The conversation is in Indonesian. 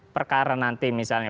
perkara nanti misalnya